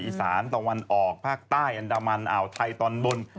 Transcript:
อีสานตะวันออกภาคใต้อันดามันอ่าวไทยตอนบน